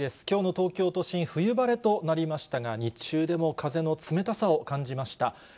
きょうの東京都心、冬晴れとなりましたが、日中でも風の冷たさを感じました。